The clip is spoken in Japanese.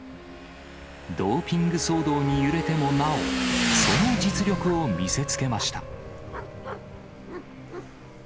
ドーピング騒動に揺れてもなお、その実力を見せつけました。